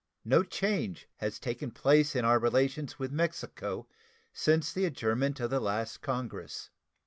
No change has taken place in our relations with Mexico since the adjournment of the last Congress.